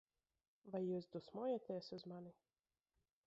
Vai jūs dusmojaties uz mani?